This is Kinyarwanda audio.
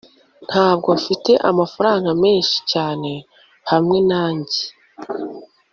ntabwo mfite amafaranga menshi cyane hamwe nanjye